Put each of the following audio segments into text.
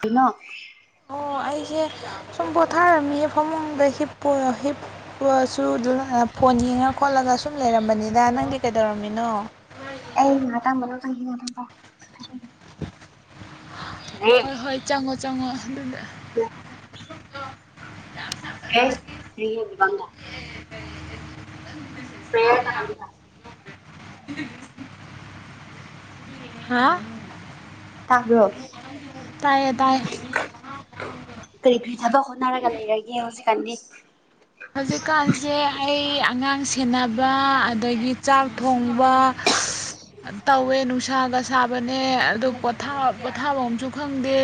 ꯀꯩꯅꯣ ꯑꯣ ꯑꯩꯁꯦ ꯁꯨꯝ ꯄꯣꯊꯥꯔꯝꯃꯤꯑꯦ ꯐꯃꯨꯡꯗ ꯍꯤꯞꯄꯣ ꯍꯤꯞꯄꯥꯁꯨ ꯗꯨꯅ ꯐꯣꯟ ꯌꯦꯡ ꯌꯦꯡꯉ ꯈꯣꯠꯂꯒ ꯁꯨꯝ ꯂꯩꯔꯝꯕꯅꯤꯗ ꯅꯪꯗꯤ ꯀꯩꯗꯧꯔꯝꯃꯤꯅꯣ ꯑꯩ [unintelligible] ꯍꯣꯏ ꯍꯣꯏ ꯆꯪꯉꯣ ꯆꯪꯉꯣ ꯑꯗꯨꯗ [unintelligible] ꯄ꯭ꯔꯦꯌꯔ ꯇꯥꯛꯍꯟꯕꯤꯕ [unintelligible] ꯍꯥ ꯇꯥꯕ꯭ꯔꯣ ꯇꯥꯢꯌꯦ ꯇꯥꯢꯌꯦ ꯀꯔꯤ ꯀꯔꯤ ꯊꯕꯛ ꯍꯣꯠꯅꯔꯒ ꯂꯩꯔꯒꯦ ꯍꯧꯖꯤꯛꯀꯥꯟꯗꯤ ꯍꯧꯖꯤꯛꯀꯥꯟꯁꯦ ꯑꯩ ꯑꯉꯥꯡ ꯁꯦꯟꯅꯕ ꯑꯗꯒꯤ ꯆꯥꯛ ꯊꯣꯡꯕ ꯇꯧꯋꯦ ꯅꯨꯡꯁꯥꯒ ꯁꯥꯕꯅꯦ ꯑꯗꯨ ꯄꯣꯊꯥ ꯄꯣꯊꯥꯐꯝꯁꯨ ꯈꯪꯗꯦ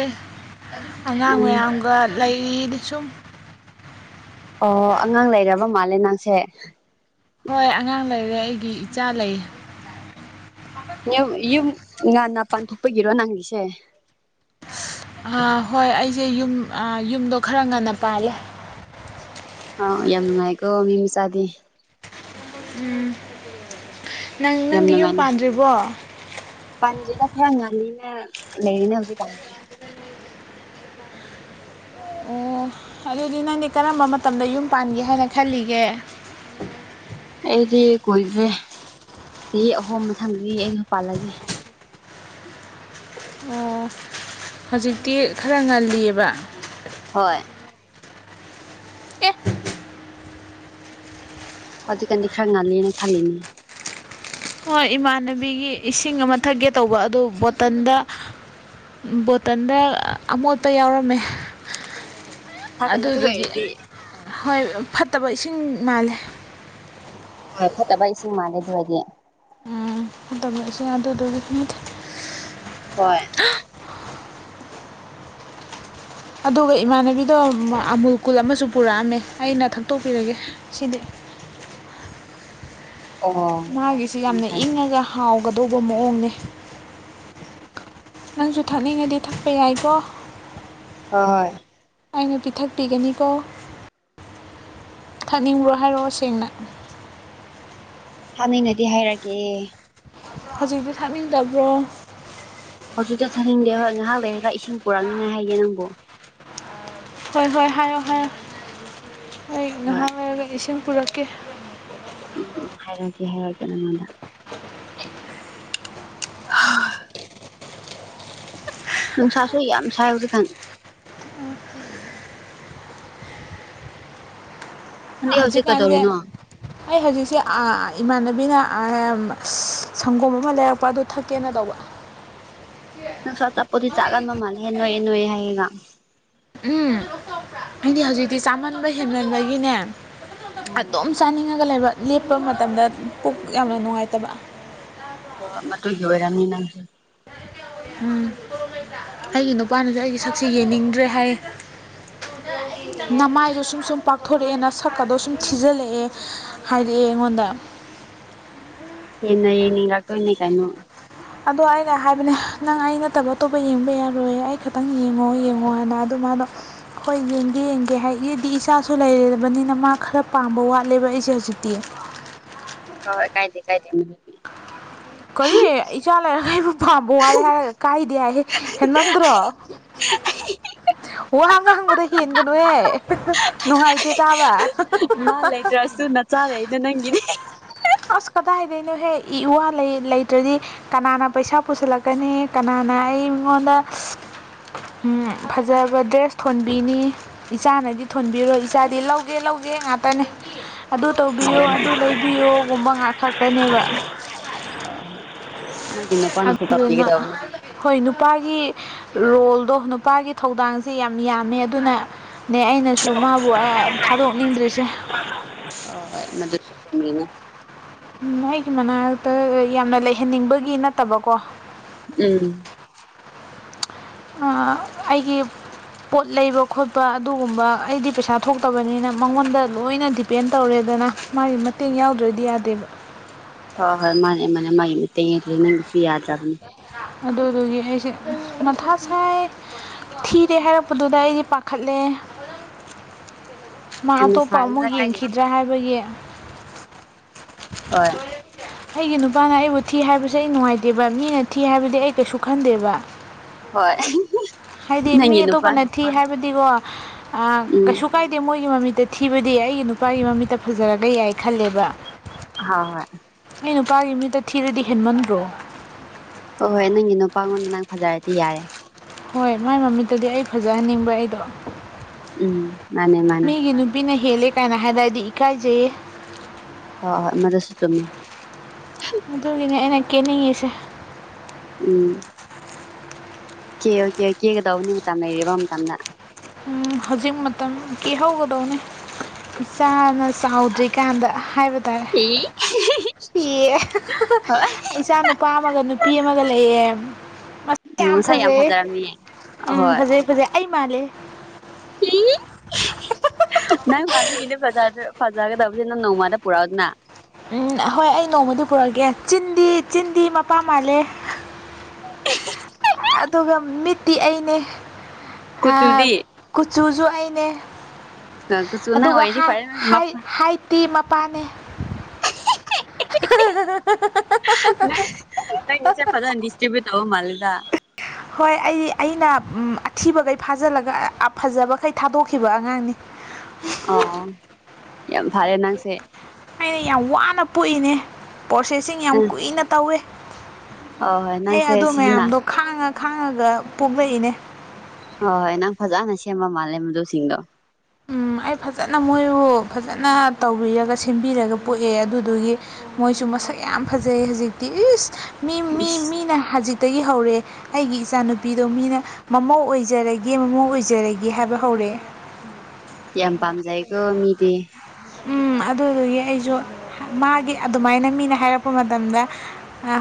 ꯑꯉꯥꯡ ꯎꯝ ꯃꯌꯥꯝꯒ ꯂꯩꯔꯤ ꯁꯨꯝ ꯑꯣ ꯑꯉꯥꯡ ꯂꯩꯔꯕ ꯃꯥꯜꯂꯦ ꯅꯪꯁꯦ ꯍꯣꯏ ꯑꯉꯥꯡ ꯂꯩꯔꯦ ꯑꯩꯒꯤ ꯏꯆꯥ ꯂꯩꯌꯦ ꯌꯨꯝ ꯌꯨꯝ ꯉꯥꯟꯅ ꯄꯥꯟꯊꯣꯛꯄꯒꯤꯔꯣ ꯅꯪꯒꯤꯁꯦ ꯑ ꯍꯣꯏ ꯑꯩꯁꯦ ꯌꯨꯝ ꯑꯥ ꯌꯨꯝꯗꯣ ꯈꯔ ꯉꯟꯅ ꯄꯥꯜꯂꯦ ꯑꯥ ꯌꯥꯝ ꯅꯨꯡꯉꯥꯏꯀꯣ ꯃꯤꯃꯆꯥꯗꯤ ꯎꯝ ꯅꯪ ꯌꯥꯝ ꯅꯪꯗꯤ ꯌꯨꯝ ꯅꯨꯡꯉꯥꯏꯅ ꯄꯥꯟꯗ꯭ꯔꯤꯕꯣ ꯄꯥꯟꯗ꯭ꯔꯤꯗ ꯈꯔ ꯉꯜꯂꯤꯅ ꯂꯩꯔꯤꯅꯦ ꯍꯧꯖꯤꯛꯀꯥꯟꯗꯤ ꯑꯣ ꯑꯗꯨꯗꯤ ꯅꯪꯗꯤ ꯀꯔꯝꯕ ꯃꯇꯝꯗ ꯌꯨꯝ ꯄꯥꯟꯒꯦ ꯍꯥꯏꯅ ꯈꯜꯂꯤꯒꯦ [inaudible] ꯑꯩꯗꯤ ꯀꯨꯏꯗ꯭ꯔꯦ ꯆꯍꯤ ꯑꯍꯨꯝ ꯃꯊꯪꯗꯤ ꯑꯩ ꯌꯨꯝ ꯄꯥꯜꯂꯒꯦ ꯑꯣ ꯍꯧꯖꯤꯛꯇꯤ ꯈꯔ ꯉꯜꯂꯤꯑꯕ ꯍꯣꯏ ꯑꯦ ꯍꯧꯖꯤꯛ ꯀꯥꯟꯗꯤ ꯈꯔ ꯉꯦꯜꯂꯦ ꯈꯜꯂꯤꯅꯤ ꯍꯣꯏ ꯏꯃꯥꯟꯅꯕꯤꯒꯤ ꯏꯁꯤꯡ ꯑꯃ ꯊꯛꯀꯦ ꯇꯧꯕ ꯑꯗꯨ ꯕꯣꯇꯜꯗ ꯕꯣꯇꯜꯗ ꯑꯃꯣꯠꯄ ꯌꯥꯎꯔꯝꯃꯦ ꯊꯛꯀꯅꯨ ꯑꯗꯨꯗꯨꯒꯤ ꯗꯨꯑꯣꯏꯔꯗꯤ ꯍꯣꯏ ꯐꯠꯇꯕ ꯏꯁꯤꯡ ꯃꯥꯜꯂꯦ ꯍꯣꯏ ꯐꯠꯇꯕ ꯏꯁꯤ ꯃꯥꯜꯂꯦ ꯑꯗꯨ ꯑꯣꯏꯗꯤ ꯎꯝ ꯐꯠꯇꯕ ꯏꯁꯤꯡ ꯑꯗꯨꯗꯨꯒꯤ ꯍꯣꯏ ꯑꯗꯨꯒ ꯏꯃꯥꯟꯅꯕꯤꯗꯣ ꯑꯃꯨꯜ ꯀꯨꯜ ꯑꯃꯁꯨ ꯄꯨꯔꯛꯑꯝꯃꯦ ꯑꯩꯅ ꯊꯛꯇꯣꯛꯄꯤꯔꯒꯦ ꯁꯤꯗꯤ [unintelligible] ꯑꯣ ꯃꯥꯒꯤꯁꯤ ꯌꯥꯝ ꯌꯥꯝꯅ ꯐꯩ ꯏꯪꯉꯒ ꯍꯥꯎꯒꯗꯧꯕ ꯃꯑꯣꯡꯅꯦ ꯅꯪꯁꯨ ꯊꯛꯅꯤꯡꯉꯗꯤ ꯊꯛꯄ ꯌꯥꯏꯀꯣ ꯍꯣ ꯍꯣꯏ ꯑꯩꯅ ꯄꯤꯊꯛꯄꯤꯒꯅꯤꯀꯣ ꯊꯅꯤꯡꯕ꯭ꯔꯣ ꯍꯥꯏꯔꯛꯑꯣ ꯁꯦꯡꯅ ꯊꯛꯅꯤꯡꯉꯗꯤ ꯍꯥꯏꯔꯛꯀꯦ ꯍꯧꯖꯤꯛꯇꯤ ꯊꯛꯅꯤꯡꯗꯕ꯭ꯔꯣ ꯍꯧꯖꯤꯛꯇ ꯆꯠꯅꯤꯡꯗꯦ ꯍꯣꯏ ꯉꯥꯏꯍꯥꯛ ꯂꯩꯔꯒ ꯏꯁꯤꯡ ꯄꯨꯔꯛꯅꯤꯡꯉꯥꯏ ꯍꯥꯏꯒꯦ ꯅꯪꯕꯨ ꯍꯣꯏ ꯍꯣꯏ ꯍꯥꯏꯌꯣ ꯍꯥꯏꯌꯣ ꯑꯩ ꯍꯣꯏ ꯉꯍꯥꯥꯛ ꯂꯩꯔꯒ ꯏꯁꯤꯡ ꯄꯨꯔꯛꯀꯦ ꯎꯝ ꯎꯝ ꯍꯥꯏꯔꯛꯀꯦ ꯍꯥꯏꯔꯛꯀꯦ ꯅꯪꯉꯣꯟꯗ [inaudible] ꯍꯥ ꯅꯨꯡꯁꯥꯁꯨ ꯌꯥꯝ ꯁꯥꯏ ꯍꯧꯖꯤꯛ ꯀꯥꯟ ꯅꯪꯗꯤ ꯍꯧꯖꯤꯛ ꯍꯧꯖꯤꯛꯀꯥꯟꯁꯦ ꯀꯗꯧꯔꯤꯅꯣ ꯑꯩ ꯍꯧꯖꯤꯛꯁꯦ ꯑꯥ ꯏꯃꯥꯟꯅꯕꯤꯅ ꯁꯪꯒꯣꯝ ꯑꯃ ꯂꯩꯔꯛꯄ ꯑꯗꯨ ꯊꯛꯀꯦꯅ ꯇꯧꯕ ꯅꯡꯁꯨ ꯑꯆꯥꯄꯣꯠꯇꯤ ꯆꯥꯒꯟꯕ ꯃꯥꯜꯂꯦꯍꯦ ꯅꯣꯏꯌꯦ ꯅꯣꯏꯌꯦ ꯍꯥꯏꯌꯦꯒ ꯎꯝ ꯑꯩꯗꯤ ꯍꯧꯖꯤꯛꯇꯤ ꯆꯥꯃꯟꯕ ꯍꯦꯃꯟꯕꯒꯤꯅꯦ ꯎꯝ ꯑꯗꯨꯝ ꯆꯥꯅꯤꯡꯉꯒ ꯂꯩꯕ ꯂꯦꯞꯄ ꯃꯇꯝꯗ ꯄꯨꯛ ꯌꯥꯝꯅ ꯅꯨꯡꯉꯥꯏꯇꯕ ꯑꯣ ꯃꯗꯨꯒꯤ ꯑꯣꯏꯔꯝꯅꯤ ꯅꯪꯖꯦ ꯎꯝ ꯑꯩꯒꯤ ꯅꯨꯄꯥꯅꯖꯨ ꯑꯩꯒꯤ ꯁꯛꯁꯦ ꯌꯦꯡꯅꯤꯡꯗ꯭ꯔꯦ ꯍꯥꯏꯌꯦ [inaudible] ꯅꯃꯥꯏꯗꯣ ꯁꯨꯝ ꯁꯨꯝ ꯄꯥꯛꯊꯣꯔꯛꯑꯦ ꯅꯁꯛꯀꯗꯣ ꯁꯨꯝ ꯊꯤꯖꯤꯜꯂꯛꯑꯦ ꯍꯥꯏꯔꯛꯑꯦ ꯑꯩꯉꯣꯟꯗ [inaudible] ꯍꯦꯟꯅ ꯌꯦꯡꯅꯤꯡ ꯉꯥꯛꯇꯣꯏꯅꯦ ꯀꯩꯅꯣ ꯑꯗꯣ ꯑꯩꯅ ꯍꯥꯏꯕꯅꯦ ꯅꯪ ꯑꯩ ꯅꯠꯇꯕ ꯑꯇꯣꯞꯄ ꯌꯦꯡꯕ ꯌꯔꯣꯏ ꯑꯩ ꯈꯤꯇꯪ ꯌꯦꯡꯉꯣ ꯌꯦꯡꯉꯣꯅ ꯍꯥ ꯑꯗꯣ ꯃ ꯃꯗꯣ ꯍꯣꯏ ꯌꯦꯡꯒꯦ ꯌꯦꯡꯒꯦ ꯍꯥꯏ ꯑꯩꯗꯤ ꯏꯆꯥꯁꯨ ꯂꯩꯔꯕꯅꯤꯅ ꯃꯥ ꯈꯔ ꯄꯥꯝꯕ ꯋꯥꯠꯂꯦꯕ ꯑꯩꯖꯦ ꯍꯧꯖꯤꯛꯇꯤ [inaudible] ꯍꯣꯏ ꯀꯥꯏꯗꯦ ꯀꯥꯏꯗꯦ ꯀꯔꯤ ꯏꯆꯥ ꯂꯩꯔꯒ ꯑꯩꯕꯨ ꯄꯥꯝꯕ ꯋꯥꯏ ꯍꯥꯏꯔ ꯀꯥꯏꯗꯦ ꯍꯥꯏꯌꯦ ꯍꯦꯟꯃꯟꯗ꯭ꯔꯣ ꯋꯥ ꯑꯃ ꯍꯥꯡꯕꯗ ꯍꯦꯟꯒꯅꯨꯍꯦ ꯅꯨꯡꯉꯥꯏꯇꯦ ꯇꯕ ꯃꯥ ꯂꯩꯇ꯭ꯔꯁꯨ ꯅꯆꯥ ꯂꯩꯗ ꯅꯪ ꯑꯁ ꯀꯗꯥꯏꯗꯩꯅꯣꯍꯦ ꯏꯋꯥ ꯂꯩ ꯂꯩꯇ꯭ꯔꯗꯤ ꯀꯅꯥꯅ ꯄꯩꯁꯥ ꯄꯨꯁꯤꯜꯂꯛꯀꯅꯤ ꯀꯅꯥꯅ ꯑꯩꯉꯣꯟꯗ ꯎꯝ ꯐꯖꯕ ꯗ꯭ꯔꯦꯁ ꯊꯣꯟꯕꯤꯅꯤ ꯏꯆꯥꯅꯗꯤ ꯊꯣꯟꯕꯤꯔꯣꯏ ꯏꯆꯥꯗꯤ ꯂꯧꯒꯦ ꯂꯧꯒꯦ ꯒꯦ ꯉꯥꯇꯅꯤ ꯑꯗꯨ ꯍꯣꯏ ꯇꯧꯕꯤꯌꯨ ꯍꯣꯏ ꯑꯗꯨ ꯂꯩꯕꯤꯌꯣꯒꯨꯝꯕ ꯉꯥꯛ ꯈꯛꯇꯅꯦꯕ ꯅꯪꯒꯤ ꯅꯨꯄꯥꯅꯁꯨ ꯑꯗꯨꯗꯨꯅ ꯇꯧꯕꯤꯒꯗꯧꯕꯅꯦ ꯍꯣꯏ ꯅꯨꯄꯥꯏ ꯒꯤ ꯔꯣꯜꯗꯣ ꯅꯨꯄꯥꯒꯤ ꯊꯧꯗꯥꯡꯁꯦ ꯌꯥꯝ ꯌꯥꯝꯃꯦ ꯑꯗꯨꯅ ꯅꯦ ꯑꯩꯅꯁꯨ ꯃꯥꯕꯨ ꯑꯦ ꯊꯗꯣꯛꯅꯤꯡꯗ꯭ꯔꯤꯁꯦ ꯃꯤꯅꯦ ꯎꯝ ꯑꯩꯒꯤ ꯃꯅꯥꯛꯇ ꯌꯥꯝꯅ ꯂꯩꯍꯟꯅꯤꯡꯕꯒꯤ ꯅꯠꯇꯕꯀꯣ ꯎꯝ ꯑꯥ ꯑꯩꯒꯤ ꯄꯣꯠ ꯂꯩꯕ ꯈꯣꯠꯄ ꯑꯗꯨꯒꯨꯝꯕ ꯑꯩꯗꯤ ꯄꯩꯁꯥ ꯊꯣꯛꯇꯕꯅꯤꯅ ꯃꯉꯣꯟꯗ ꯂꯣꯏꯅ ꯗꯤꯄꯦꯟ ꯇꯧꯔꯦ ꯗꯅ ꯃꯥꯏ ꯃꯇꯦꯡ ꯌꯥꯎꯗ꯭ꯔꯗꯤ ꯌꯗꯦꯕ ꯍꯣꯏ ꯍꯣꯏ ꯃꯥꯅꯦ ꯃꯥꯅꯦ ꯃꯒꯤ ꯃꯇꯩ ꯅꯤꯗꯁꯨ ꯌꯥꯗ꯭ꯔꯕꯅꯤ ꯑꯗꯨꯗꯨꯒꯤ ꯑꯩꯁꯦ ꯃꯊꯥ ꯁꯥꯢ ꯊꯤꯔꯦ ꯍꯥꯏꯔꯛꯄꯗꯨꯗ ꯑꯩꯁꯦ ꯄꯥꯈꯠꯂꯦ [inaudible] ꯃꯥ ꯑꯇꯣꯞꯄ ꯑꯃꯨꯛ ꯁꯥꯒꯅꯨꯗ ꯀꯥꯏꯗꯦꯗ ꯌꯦꯡꯈꯤꯗ꯭ꯔꯥ ꯍꯥꯏꯕꯒꯤ ꯍꯣꯏ ꯑꯩꯒꯤ ꯅꯨꯄꯥꯅ ꯑꯩꯕꯨ ꯊꯤ ꯍꯥꯏꯕꯁꯦ ꯑꯩ ꯅꯨꯡꯉꯥꯏꯇꯦꯕ ꯃꯤꯅ ꯊꯤ ꯍꯥꯏꯕꯗꯤ ꯑꯩ ꯀꯩꯁꯨ ꯈꯟꯗꯦꯕ ꯍꯣꯏ ꯍꯥꯏꯗꯤ ꯃꯤ ꯅꯪꯒꯤ ꯅꯨꯄꯥ ꯑꯇꯣꯞꯄꯅ ꯊꯤ ꯍꯥꯏꯕꯗꯤꯀꯣ ꯎꯝ ꯀꯩꯁꯨ ꯀꯥꯏꯗꯦ ꯃꯣꯏꯒꯤ ꯃꯃꯤꯠꯇ ꯊꯤꯕꯗꯤ ꯑꯩꯒꯤ ꯅꯨꯄꯥꯒꯤ ꯃꯃꯤꯠꯇ ꯐꯖꯔꯒ ꯌꯥꯏ ꯈꯜꯂꯦꯕ ꯍ ꯍꯣꯏ ꯑꯩ ꯅꯨꯄꯥꯒꯤ ꯃꯤꯠꯇ ꯊꯤꯔꯗꯤ ꯍꯦꯟꯃꯟꯗ꯭ꯔꯣ ꯍꯣꯏ ꯍꯣꯏ ꯅꯪꯒꯤ ꯅꯨꯄꯥꯉꯣꯟꯗ ꯅꯪ ꯐꯖꯔꯗꯤ ꯌꯥꯔꯦ ꯍꯣꯏ ꯃꯥꯏ ꯃꯃꯤꯠꯇꯗꯤ ꯑꯩ ꯐꯖꯍꯟꯅꯤꯡꯕ ꯑꯩꯗꯣ ꯎꯝ ꯃꯥꯅꯦ ꯃꯥꯅꯦ ꯃꯤꯒꯤ ꯅꯨꯄꯤꯅ ꯍꯦꯜꯂꯦ ꯀꯥꯏꯅ ꯍꯥꯏꯔꯗꯤ ꯏꯀꯥꯏꯖꯩꯌꯦ ꯍꯣꯢ ꯍꯣꯏ ꯑꯃꯗꯁꯨ ꯆꯨꯝꯃꯤ ꯑꯗꯨꯒꯤꯅꯦ ꯑꯩꯅ ꯀꯦꯅꯤꯡꯉꯤꯁꯦ ꯎꯝ ꯀꯦ ꯑꯣ ꯀꯦ ꯀꯦꯒꯗꯧꯕꯅꯤ ꯃꯇꯝ ꯂꯩꯔꯕ ꯃꯇꯝꯗ ꯍꯧꯖꯤꯛ ꯃꯇꯝ ꯀꯦꯍꯧꯒꯗꯧꯅꯦ ꯏꯆꯥꯅ ꯆꯥꯎꯗ꯭ꯔꯤꯀꯥꯟꯗ ꯍꯥꯏꯕ ꯇꯥꯔꯦ ꯏ ꯏꯌꯦ ꯍꯣꯏ ꯏꯆꯥ ꯅꯨꯄꯥ ꯑꯃꯒ ꯅꯨꯄꯤ ꯑꯃꯒ ꯂꯩꯌꯦ ꯃꯁꯤ ꯌꯥꯝ ꯃꯁꯛ ꯐꯖꯩꯌꯦ ꯐꯖꯔꯝꯅꯤꯌꯦ ꯎꯝ ꯑꯍꯣꯏ ꯐꯖꯩ ꯐꯖꯩ ꯑꯩ ꯃꯥꯜꯂꯦ ꯅꯪ ꯃꯟꯕꯒꯤꯅꯦ ꯐꯖꯕꯗꯣ ꯐꯖꯥꯒꯦꯗꯧꯕꯁꯦ ꯅꯪ ꯅꯣꯡꯃꯗꯤ ꯄꯨꯔꯛꯑꯣꯗꯅ ꯎꯝ ꯍꯣꯏ ꯑꯩ ꯅꯣꯡꯃꯗꯤ ꯄꯨꯔꯛꯑꯒꯦ ꯆꯤꯟꯗꯤ ꯆꯤꯟꯗꯤ ꯃꯄꯥ ꯃꯥꯜꯂꯦ [unintelligible] ꯑꯗꯨꯒ ꯃꯤꯠꯇꯤ ꯑꯩꯅꯦ ꯀꯨꯆꯨꯗꯤ ꯀꯨꯆꯨꯖꯨ ꯑꯩ ꯅꯦ ꯀꯨꯆꯨ ꯅꯪ ꯑꯗꯨꯒ ꯑꯣꯏꯔꯗꯤ ꯍꯥꯏ ꯐꯔꯦ ꯍꯥꯢ ꯍꯥꯢꯠꯇꯤ ꯃꯄꯥꯅꯦ [unintelligible] ꯅꯪꯒꯤ ꯅꯪꯒꯤꯁꯦ ꯐꯖꯅ ꯗꯤꯁꯇꯔꯤꯕꯤꯌꯨꯠ ꯇꯧꯕ ꯃꯥꯜꯂꯦꯗ ꯍꯣꯏ ꯑꯩ ꯑꯩꯅ ꯑꯊꯤꯕꯈꯩ ꯐꯥꯖꯤꯜꯂꯒ ꯐꯖꯕꯈꯩ ꯊꯥꯗꯣꯛꯈꯤꯕ ꯑꯉꯥꯡꯅꯤ ꯑꯣ ꯌꯥꯝ ꯐꯔꯦ ꯅꯪꯁꯦ ꯑꯩꯅ ꯌꯥꯝ ꯋꯥꯅ ꯄꯣꯛꯏꯅꯦ ꯄ꯭ꯔꯣꯁꯦꯁꯤꯡ ꯌꯥꯝ ꯅꯪ ꯀꯨꯏꯅ ꯇꯧꯋꯦ ꯍꯣꯏ ꯍꯣꯏ ꯑꯩ ꯑꯗꯨ ꯅꯪꯁꯦ ꯁꯤꯖꯤꯟꯅ ꯃꯌꯥꯝꯗꯣ ꯈꯥꯡꯉ ꯈꯥꯡꯉꯒ ꯄꯣꯛꯂꯛꯏꯅꯦ ꯍꯣꯏ ꯅꯪ ꯐꯖꯅ ꯁꯦꯝꯕ ꯃꯥꯜꯂꯦ ꯃꯗꯨꯁꯤꯡꯗꯣ ꯎꯝ ꯑꯩ ꯐꯖꯅ ꯃꯣꯏꯕꯨ ꯐꯖꯅ ꯇꯧꯕꯤꯔꯒ ꯁꯦꯝꯕꯤꯔꯒ ꯄꯣꯛꯑꯦ ꯑꯗꯨꯗꯨꯒꯤ ꯃꯣꯏꯁꯨ ꯃꯁꯛ ꯌꯥꯝ ꯐꯖꯩ ꯍꯧꯖꯤꯛꯇꯤ ꯏꯁ ꯃꯤ ꯃꯤ ꯏꯁ ꯃꯤꯅ ꯍꯖꯤꯛꯇꯒꯤ ꯍꯧꯔꯦ ꯑꯩꯒꯤ ꯏꯆꯥꯅꯨꯄꯤꯗꯣ ꯃꯤꯅ ꯃꯃꯧ ꯑꯣꯏꯖꯔꯒꯦ ꯃꯃꯧ ꯑꯣꯏꯖꯔꯒꯦ ꯍꯥꯏꯕ ꯍꯧꯔꯛꯑꯦ [inaudible] ꯌꯥꯝ ꯄꯥꯝꯖꯩꯀꯣ ꯃꯤꯗꯤ ꯎꯝ ꯑꯗꯨꯗꯨꯒꯤ ꯑꯩꯖꯨ ꯃꯥꯒꯤ ꯑꯗꯨꯃꯥꯏꯅ ꯃꯤꯅ ꯍꯥꯏꯔꯛꯄ ꯃꯇꯝꯗ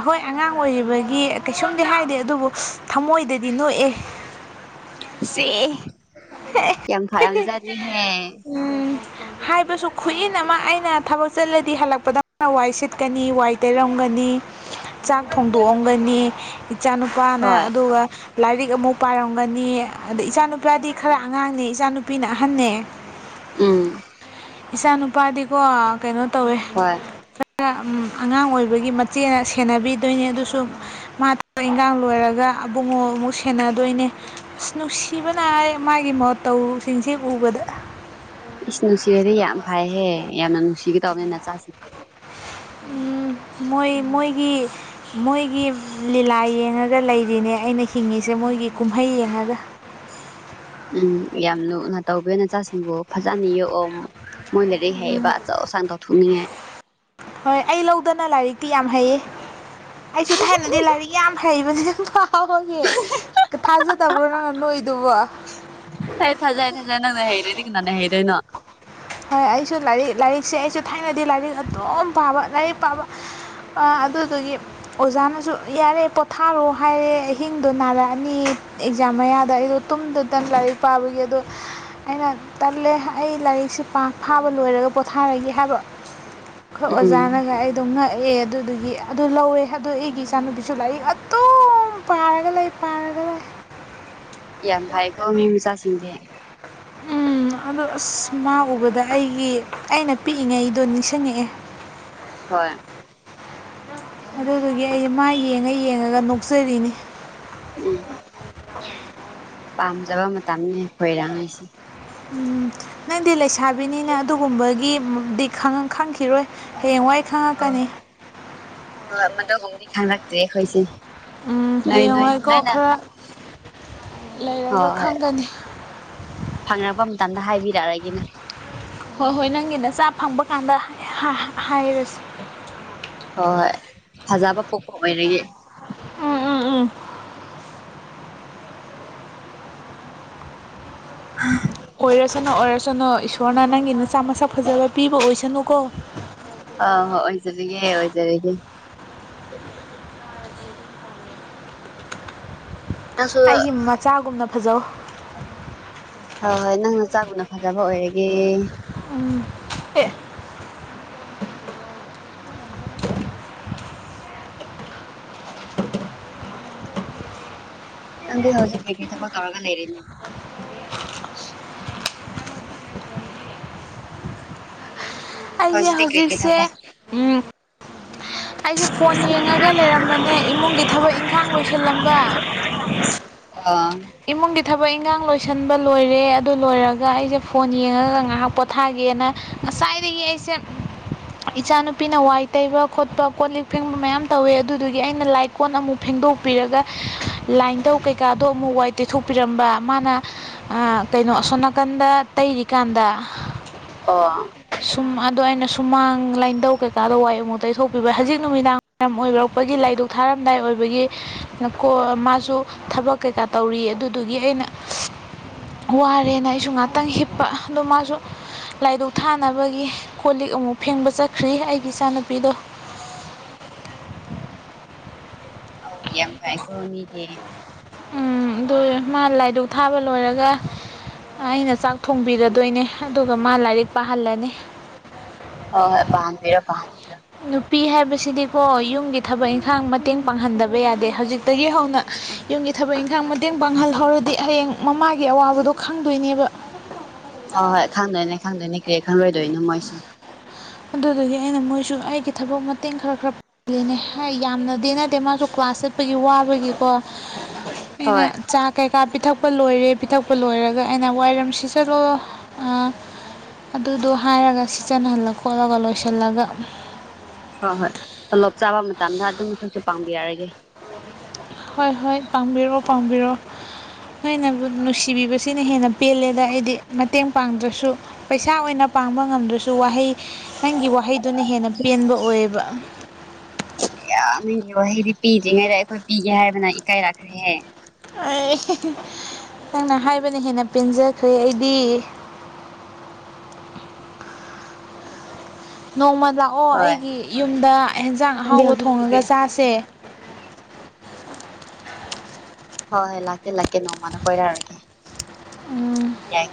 ꯍꯣꯏ ꯑꯉꯥꯡ ꯑꯣꯏꯔꯤꯕꯒꯤ ꯀꯩꯁꯨꯝꯗꯤ ꯍꯥꯏ ꯍꯥꯢꯗꯦ ꯑꯗꯨꯕꯨ ꯊꯃꯣꯏꯗꯗꯤ ꯅꯣꯛꯑꯦ [unintelligible] ꯌꯥꯝ ꯐꯔꯝꯖꯥꯠꯅꯤꯍꯦ ꯎꯝ ꯍꯥꯏꯕꯁꯨ ꯈꯨꯏꯟ ꯑꯃ ꯑꯩꯅ ꯊꯕꯛ ꯆꯠꯂꯗꯤ ꯍꯜꯂꯛꯄꯗꯅ ꯋꯥꯏ ꯁꯤꯠꯀꯅꯤ ꯋꯥꯏ ꯇꯩꯔꯝꯒꯅꯤ [unintelligible] ꯆꯥꯛ ꯊꯣꯡꯗꯣꯛꯑꯝꯒꯅꯤ ꯏꯆꯥꯅꯨꯨꯄꯥꯅ ꯍꯣꯏ ꯑꯗꯨꯒ ꯂꯥꯏꯔꯤꯛ ꯑꯃꯨꯛ ꯄꯥꯔꯝꯒꯅꯤ [unintelligible] ꯏꯆꯥꯅꯨꯨꯄꯥꯗꯤ ꯈꯔ ꯑꯉꯥꯡꯅꯦ ꯏꯆꯥꯅꯨꯄꯤꯅ ꯑꯍꯟꯅꯦ ꯎꯝ ꯏꯆꯥ ꯅꯨꯄꯥꯗꯤꯀꯣ ꯀꯩꯅꯣ ꯇꯧꯋꯦ ꯍꯣꯏ ꯈꯔ ꯑꯉꯥꯡ ꯑꯣꯏꯕꯒꯤ ꯃꯆꯦꯅ ꯁꯦꯟꯅꯕꯤꯗꯣꯏꯅꯤ ꯑꯗꯨꯁꯨ ꯃꯥ ꯊꯕꯛ ꯏꯪꯒꯥꯡ ꯂꯣꯏꯔꯒ ꯑꯕꯨꯡꯉꯣ ꯑꯃꯨꯛ ꯁꯦꯟꯅꯗꯣꯏꯅꯦ ꯑꯁ ꯅꯨꯡꯁꯤꯕꯅ ꯑꯩ ꯃꯥꯒꯤ ꯃꯇꯧꯁꯤꯡꯁꯦ ꯎꯕꯗ ꯏꯁ ꯅꯨꯡꯁꯤꯔꯗꯤ ꯌꯥꯝ ꯐꯩꯍꯦ ꯌꯥꯝꯅ ꯅꯨꯡꯁꯤꯒꯦ ꯇꯧꯕꯅꯤ ꯅꯆꯥ ꯁꯤꯛꯄꯗꯤ ꯎꯝ ꯃꯣꯏ ꯃꯣꯏꯒꯤ ꯃꯣꯏꯒꯤ ꯂꯤꯂꯥ ꯌꯦꯡꯉꯒ ꯂꯩꯔꯤꯅꯦ ꯑꯩꯅ ꯍꯤꯡꯉꯤꯁꯦ ꯃꯣꯏꯒꯤ ꯀꯨꯝꯍꯩ ꯌꯦꯡꯉꯒ ꯎꯝ ꯌꯥꯝ ꯂꯨꯅ ꯇꯧꯒꯦ ꯅꯆꯥꯁꯤꯡꯕꯨ ꯐꯖꯅ ꯌꫭꯛꯑꯣ ꯃꯣꯏ ꯂꯥꯏꯔꯤꯛ ꯍꯩꯕ ꯑꯆꯧ ꯑꯁꯥꯡ ꯇꯧꯊꫭꯛꯅꯤꯡꯉꯥꯢ ꯍꯣꯏ ꯑꯩ ꯂꯧꯗꯅ ꯂꯥꯏꯔꯤꯛꯇꯤ ꯌꯥꯝ ꯍꯩꯌꯦ ꯑꯩꯁꯨ ꯊꯥꯏꯅꯗꯤ ꯂꯥꯏꯔꯤꯛ ꯌꯥꯝ ꯍꯩꯕꯅꯦ [unintelligible] ꯊꯥꯖꯗꯕ꯭ꯔꯣ ꯅꯪꯅ ꯅꯣꯛ ꯢꯗꯨꯕꯣ ꯑꯩ ꯊꯥꯖꯩ [unintelligible] ꯅꯪꯅ ꯍꯩꯔꯗꯤ ꯀꯅꯥꯅ ꯍꯩꯗꯣꯏꯅꯣ ꯍꯣꯏ ꯑꯩꯁꯨ ꯂꯥꯏꯔꯤꯛ ꯂꯥꯏꯔꯤꯛꯁꯦ ꯑꯩꯁꯨ ꯊꯥꯏꯅꯗꯤ ꯂꯥꯏꯔꯤꯛ ꯑꯗꯨꯝ ꯄꯥꯕ ꯂꯥꯏꯔꯤꯛ ꯄꯥꯕ ꯑ ꯑꯗꯨꯗꯨꯒꯤ ꯑꯣꯖꯥꯅꯁꯨ ꯌꯥꯔꯦ ꯄꯣꯊꯥꯔꯣ ꯍꯥꯏꯔꯦ ꯑꯍꯤꯡꯗꯣ ꯅꯥꯔꯛꯑꯅꯤ ꯑꯦꯛꯖꯥꯝ ꯃꯌꯥꯗ ꯑꯩꯗꯣ ꯇꯨꯝꯗꯗꯅ ꯂꯥꯏꯔꯤꯛ ꯄꯥꯕꯒꯤ ꯑꯗꯣ ꯑꯩꯅ ꯇꯜꯂꯦ ꯑꯩ ꯂꯥꯏꯔꯤꯛꯁꯤ ꯄꯥ ꯐꯥꯕ ꯂꯣꯏꯔꯒ ꯄꯣꯊꯥꯔꯒꯦ ꯍꯥꯏꯕ ꯑꯈꯣꯏ ꯎꯝ ꯑꯣꯖꯥꯅꯒ ꯑꯩꯗꯣ ꯉꯛ ꯑꯦ ꯑꯗꯨꯗꯨꯒꯤ ꯑꯗꯨ ꯂꯧꯋꯦ ꯑꯗꯣ ꯑꯩꯒꯤ ꯏꯆꯥꯅꯨꯄꯤꯁꯨ ꯂꯥꯏꯔꯤꯛ ꯑꯗꯨꯝ ꯄꯥꯔꯒ ꯂꯩ ꯄꯥꯔꯒ ꯂꯩ ꯌꯥꯝ ꯐꯩꯀꯣ ꯃꯤ ꯃꯆꯥꯥꯁꯤꯡꯗꯤ [unintelligible] ꯑꯁ ꯃꯥ ꯎꯕꯗ ꯑꯩꯒꯤ ꯑꯩꯅ ꯄꯤꯛꯏꯉꯩꯗꯣ ꯅꯤꯡꯁꯤꯡꯉꯛꯑꯦ ꯍꫭꯏ ꯑꯗꯨꯗꯨꯒꯤ ꯑꯩꯁꯦ ꯃꯥ ꯌꯦꯡꯉ ꯌꯦꯡꯉꯒ ꯅꯣꯛꯆꯔꯤꯅꯤ ꯎꯝ ꯄꯥꯝꯖꯕ ꯃꯇꯝꯅꯤ ꯍꯣꯏꯔꯥꯡꯅꯤꯁꯤ ꯎꯝ ꯅꯪꯗꯤ ꯂꯩꯁꯥꯕꯤꯅꯤꯅ ꯑꯗꯨꯒꯨꯝꯕꯒꯤꯗꯤ ꯈꯪꯈꯤꯔꯣꯏ ꯍꯌꯦꯡꯋꯥꯏ ꯈꯪꯉꯛꯀꯅꯤ [unintelligible] ꯃꯗꯨ ꯒꯨꯝꯕꯗꯤ ꯈꯪꯂꯛꯇꯦ ꯑꯈꯣꯏꯁꯦ ꯎꯝ ꯍꯌꯦꯡꯋꯥꯏꯀꯣ ꯈꯔ ꯂꯩꯔꯒ ꯈꯪꯒꯅꯤ ꯐꯪꯉꯕ ꯃꯇꯝꯗ ꯍꯥꯏꯕꯤꯔꯑꯒꯦꯅꯦ ꯍꯣꯏ ꯍꯣꯏ ꯅꯪꯒꯤ ꯅꯆꯥ ꯐꯪꯕ ꯀꯥꯟꯗ [unintelligible] ꯍꯥꯏꯔ ꯍꯣꯏ ꯐꯖꯕ ꯄꯣꯛꯄ ꯑꯣꯏꯔꯒꯦ ꯎꯝ ꯎꯝ ꯎꯝ ꯍ ꯑꯣꯏꯔꯁꯅꫭ ꯑꯣꯏꯔꯁꯅꫭ ꯏꯁꯣꯔꯅ ꯅꯪꯒꯤ ꯅꯆꯥ ꯃꯁꯛ ꯐꯖꯕ ꯄꯤꯕ ꯑꯣꯏꯁꯅꯨꯀꯣ ꯑ ꯍꯣꯏ ꯑꯣꯏꯖꯔꯤꯒꯦ ꯑꯣꯏꯖꯔꯒꯦ ꯅꯪꯁꯨ ꯑꯩꯒꯤ ꯃꯆꯥꯒꯨꯝꯅ ꯐꯖꯧ ꯍꯣꯏ ꯍꯣꯏ ꯅꯪ ꯅꯆꯥꯒꯨꯝꯅ ꯐꯖꯕ ꯑꯣꯏꯔꯒꯦ ꯍꯦ [unintelligible] ꯅꯪꯗꯤ ꯍꯧꯖꯤꯛ ꯀꯩꯀꯩ ꯊꯕꯛ ꯇꯧꯔꯒ ꯂꯩꯔꯤ [unintelligible] ꯑꯩꯖꯦ ꯍꯧꯖꯤꯛꯇꯤ ꯀꯔꯤ ꯀꯔꯤ ꯍꯧꯖꯤꯛꯁꯦ ꯊꯕꯛ ꯎꯝ ꯑꯩꯁꯦ ꯐꯣꯟ ꯌꯦꯡꯉꯒ ꯂꯩꯔꯝꯕꯅꯦ ꯏꯃꯨꯡꯒꯤ ꯊꯕꯛ ꯏꯪꯈꯥꯡ ꯂꯣꯏꯁꯤꯜꯂꯝꯕ ꯑꯥ ꯏꯃꯨꯡꯒꯤ ꯊꯕꯛ ꯏꯟꯈꯥꯡ ꯂꯣꯏꯁꯟꯕ ꯂꯣꯏꯔꯦ ꯑꯗꯨ ꯂꯣꯏꯔꯒ ꯑꯩꯁꯦ ꯐꯣꯟ ꯌꯦꯡꯉꯒ ꯉꯥꯏꯍꯥꯛ ꯄꯣꯊꯥꯒꯦꯅ ꯉꯁꯥꯏ ꯗꯒꯤ ꯑꯩꯁꯦ ꯏꯆꯥꯅꯨꯄꯤꯅ ꯋꯥꯏ ꯇꯩꯕ ꯈꯣꯠꯄ ꯀꯣꯜ ꯂꯤꯛ ꯐꯦꯡꯕ ꯃꯌꯥꯝ ꯇꯧꯋꯦ ꯑꯗꯨꯗꯨꯒꯤ ꯑꯩꯅ ꯂꯥꯏ ꯀꯣꯟ ꯑꯃꯨꯛ ꯐꯦꯡ ꯗꯣꯛꯄꯤꯔꯒ ꯂꯥꯏꯟꯗꯧ ꯀꯩꯀꯥꯗꯣ ꯑꯃꯨꯛ ꯋꯥꯏ ꯇꯩꯊꯣꯛꯄꯤꯔꯝꯕ ꯃꯥꯅ ꯑꯥ ꯀꯩꯅꯣ ꯑꯁꯣꯝ ꯅꯥꯀꯟꯗ ꯇꯩꯔꯤꯀꯥꯟꯗ ꯑꯣ ꯁꯨꯝ ꯑꯗꯣ ꯑꯩꯅ ꯁꯨꯃꯥꯡ ꯂꯥꯏꯟꯙꯧ ꯀꯩꯀꯥꯗ ꯋꯥꯏ ꯑꯃꯨꯛ ꯇꯩꯊꯣꯛꯄꯤꯕ ꯍꯧꯖꯤꯛ ꯅꯨꯃꯤꯗꯥꯡ ꯋꯥꯏꯔꯝ ꯑꯣꯏꯔꯛꯄꯩ ꯑꯩꯒꯤ ꯂꯥꯏꯙꯨꯛ ꯊꯥꯔꯝꯗꯥꯏ ꯑꯣꯏꯕꯒꯤ ꯀꯣ ꯃꯥꯁꯨ ꯊꯕꯛ ꯀꯩꯀꯥ ꯇꯧꯔꯤ ꯑꯗꯨꯗꯨꯒꯤ ꯑꯩꯅ [inaudible] ꯋꯥꯔꯦꯅ ꯑꯩꯁꯨ ꯉꯥꯛꯇꯪ ꯍꯤꯞꯄ ꯑꯗꯣ ꯃꯥꯁꯨ ꯂꯥꯏꯗꯨꯛ ꯊꯥ ꯅꯕꯒꯤ ꯀꯣꯜ ꯂꯤꯛ ꯑꯃꯨꯛ ꯐꯦꯡꯕ ꯆꯠꯈ꯭ꯔꯤ ꯑꯩꯒꯤ ꯏꯆꯥꯅꯨꯄꯤꯗꯣ ꯑꯣ ꯌꯥꯝ ꯐꯥꯏꯀꯣ ꯃꯤꯗꯤ ꯎꯝ ꯑꯗꯨ ꯃꯥ ꯂꯥꯏ ꯗꯨꯛ ꯊꯥꯕ ꯂꯣꯏꯔꯒ ꯑꯩꯅ ꯆꯥꯛ ꯊꯣꯡꯕꯤꯔꯗꯣꯏꯅꯦ ꯑꯗꯨꯒ ꯃꯥ ꯂꯥꯏꯔꯤꯛ ꯄꯥꯍꯜꯂꯅꯤ ꯑꯌꯥ ꯄꯤ ꯍꯥꯏꯕꯁꯤꯗꯤꯀꯣ ꯌꯨꯝꯒꯤ ꯊꯕꯛ ꯏꯪꯈꯥꯡ ꯃꯇꯦꯡ ꯄꯥꯡꯍꯟꯗꯕ ꯌꯥꯗꯦ ꯍꯧꯖꯤꯛꯇꯒꯤ ꯍꯧꯅ ꯌꯨꯝꯒꯤ ꯊꯕꯛ ꯏꯪꯈꯥꯡ ꯃꯇꯦꯡ ꯄꯥꯡꯍꯜꯍꯧꯔꯗꯤ ꯍꯌꯦꯡ ꯃꯃꯥꯒꯤ ꯑꯋꯥꯕꯗꯣ ꯈꯪꯗꯣꯏꯅꯦꯕ ꯍꯣꯏ ꯍꯣꯏ ꯈꯪꯗꯣꯏꯅꯦ ꯈꯪꯗꯣꯏꯅꯦ ꯀꯩ ꯈꯪꯪꯂꯣꯏꯗꯣꯏꯅꯣ ꯃꯣꯏꯁꯨ ꯑꯗꯨꯗꯨꯒꯤ ꯑꯩꯅ ꯃꯣꯏꯁꯨ ꯑꯩꯒꯤ ꯊꯕꯛ ꯃꯇꯦꯡ ꯈꯔ ꯈꯔ ꯄꯥꯡꯍꯜꯂꯤꯅꯦ ꯌꯥꯝꯅꯗꯤ ꯅꯠꯇꯦ ꯃꯥꯁꯨ ꯀ꯭ꯂꯥꯁ ꯆꯠꯄꯒꯤ ꯋꯥꯕꯒꯤꯀꯣ ꯑꯩꯅ ꯍꯣꯏ ꯆꯥ ꯀꯩꯀꯥ ꯄꯤꯊꯛ ꯄꯤꯊꯛꯄ ꯂꯣꯏꯔꯦ ꯄꯤꯊꯛꯄ ꯂꯣꯏꯔꯒ ꯑꯩꯅ ꯋꯥꯏꯔꯝ ꯁꯤꯠꯆꯜꯂꯣ ꯑꯗꯨꯗꯣ ꯍꯥꯏꯔꯒ ꯁꯤꯠꯆꯟꯍꯜꯂ ꯈꯣꯠꯂꯒ ꯂꯣꯏꯁꯤꯜꯂꯒ ꯍꯣꯏ ꯍꯣꯏ ꯇꯣꯂꯣꯞ ꯆꯥꯕ ꯃꯇꯝꯗ ꯑꯗꯨꯝ ꯑꯩꯈꯣꯏꯁꯨ ꯄꯥꯝꯕꯤꯔꯝꯒꯦ ꯍꯣꯏ ꯍꯣꯏ ꯄꯥꯡꯕꯤꯔꯣ ꯄꯥꯡꯕꯤꯔꯣ ꯍꯦꯟꯅꯕꯨ ꯅꯨꯡꯁꯤꯕꯤꯕꯁꯤꯅ ꯍꯦꯟꯅ ꯄꯦꯜꯂꯦꯗ ꯑꯩꯗꯤ ꯃꯇꯦꯡ ꯄꯥꯡꯗ꯭ꯔꯁꯨ ꯄꯩꯁꯥ ꯑꯣꯏꯅ ꯄꯥꯡꯕ ꯉꯝꯗ꯭ꯔꯁꯨ ꯋꯥꯍꯩ ꯅꯪꯒꯤ ꯋꯥꯍꯩꯗꯨꯅ ꯍꯦꯟꯅ ꯄꯦꯟꯕ ꯑꯣꯏꯌꯦꯕ ꯌꯥꯝ ꯅꯪꯒꯤ ꯋꯥꯍꯩꯗꯤ ꯄꯤꯗ꯭ꯔꯤꯉꯩꯗ ꯑꯩꯈꯣꯏ ꯄꯤꯒꯦ ꯍꯥꯏꯕꯅ ꯏꯀꯥꯏꯔꯛꯈ꯭ꯔꯦꯍꯦ ꯑꯩ ꯅꯪꯅ ꯍꯥꯏꯕꯅ ꯍꯦꯟꯅ ꯄꯦꯟꯖꯈ꯭ꯔꯦ ꯑꯩꯗꯤ [unintelligible] ꯅꯣꯡꯃ ꯂꯥꯛꯑꯣ ꯍꯣꯏ ꯑꯩꯒꯤ ꯌꯨꯝꯗ ꯍꯦꯟꯖꯥꯡ ꯅꯪꯗꯤ ꯑꯍꯥꯎꯕ ꯍꯧꯖꯤꯛ ꯊꯣꯡꯉꯒ ꯀꯩꯀꯩ ꯆꯥꯁꯦ ꯍꯣꯏ ꯍꯣꯏ ꯂꯥꯛꯀꯦ ꯂꯥꯛꯀꯦ ꯅꯣꯡꯃꯅ ꯀꯣꯏꯔꯛꯑꯒꯦ ꯌꯥꯏ